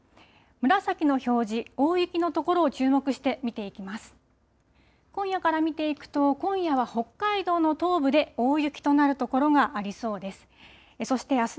紫の表示、大雪の所を注目して見ていきます。